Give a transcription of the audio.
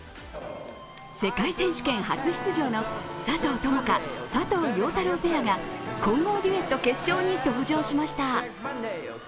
世界選手権初出場の佐藤友花・佐藤陽太郎ペアが混合デュエット決勝に登場しました。